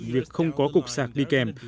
việc không có cục sạc đi kèm